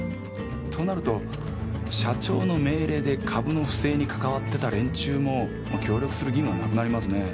となると社長の命令で株の不正にかかわってた連中ももう協力する義務はなくなりますね。